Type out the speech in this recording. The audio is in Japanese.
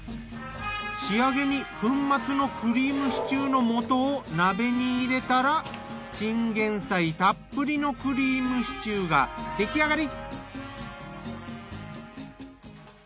仕上げに粉末のクリームシチューの素を鍋に入れたらチンゲン菜たっぷりのクリームシチューが出来上がり。